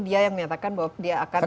dia yang menyatakan bahwa dia akan